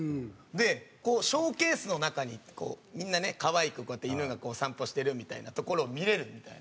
でショーケースの中にいてみんなねかわいくこうやって犬が散歩してるみたいなところを見れるみたいな。